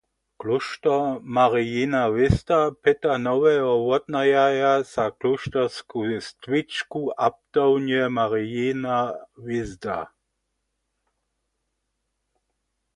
Klóšter Marijina hwězda pyta noweho wotnajerja za Klóštersku stwičku abtownje Marijina hwězda.